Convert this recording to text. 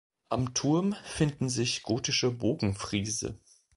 Am Turm finden sich gotische Bogenfriese.